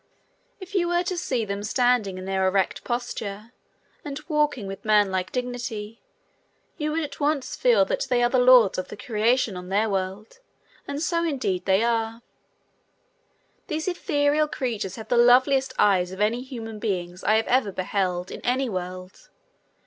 If you were to see them standing in their erect posture and walking with man like dignity, you would at once feel that they are the lords of the creation on their world, and so indeed they are. These ethereal creatures have the loveliest eyes of any human beings I ever beheld in any world.